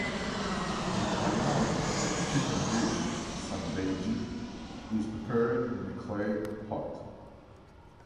In Taiwan, the chicken dish "sanbeiji" is prepared in a clay pot.